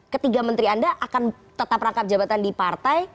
ketiga menteri anda akan tetap rangkap jabatan di partai